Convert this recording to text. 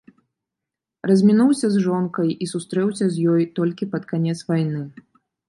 Размінуўся з жонкай і сустрэўся з ёй толькі пад канец вайны.